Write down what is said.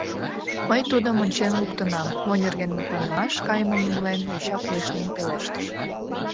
Мый тудым ончен луктынам, — мо нерген мутланымаш кайымым умылен, йоча кугешнен пелештыш.